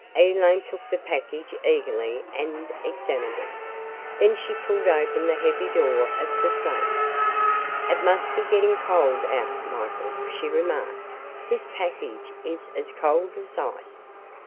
Elaine took the package eagerly and examined it. Then she pulled open the heavy door of the safe. "It must be getting cold out, Michael," she remarked. "This package is as cold as ice."